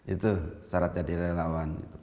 itu syarat jadi relawan